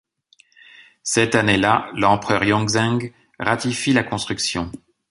Cette année là, l'empereur Yongzheng ratifie la construction.